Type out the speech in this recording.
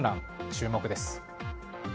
注目です。